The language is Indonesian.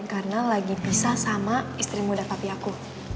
karena lagi pisah sama istri muda papi aku